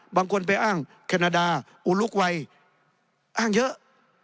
บางคนไปอ้างแคนาดาอุลุกวัยอ้างเยอะ